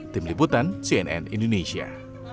tim liputan cnn indonesia